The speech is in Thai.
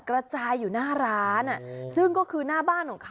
กระจายอยู่หน้าร้านซึ่งก็คือหน้าบ้านของเขา